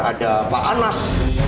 ada pak anas